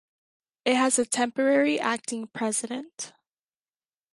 It has a temporary acting president.